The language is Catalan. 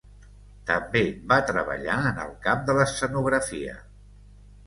També va treballar en el camp de l’escenografia.